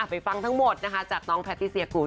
ฟังทั้งหมดนะคะจากน้องแพทิเซียกูล